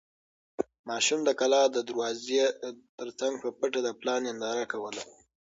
ماشوم د کلا د دروازې تر څنګ په پټه د پلار ننداره کوله.